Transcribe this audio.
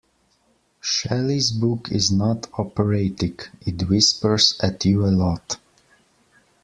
Shelley's book is not operatic, it whispers at you a lot.